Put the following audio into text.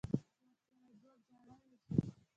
ورسره جوړ جاړی وشي.